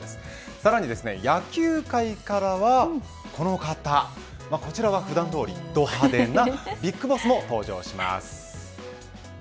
さらに野球界からはこの方こちらは普段どおり、ど派手なビッグボスも登場します。